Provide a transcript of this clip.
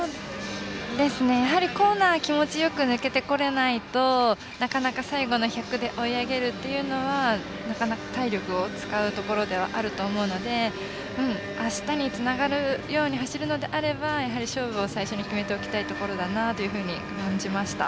コーナー気持ちよく抜けてこれないとなかなか最後の１００で追い上げるというのはなかなか体力を使うところではあると思うのであしたにつながるように走るのであればやはり勝負を最初に決めておきたいところだなというふうに感じました。